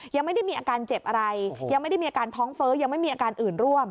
ยังไม่ได้มีอาการเจ็บอะไรยังไม่ได้มีอาการท้องเฟ้อยังไม่มีอาการอื่นร่วม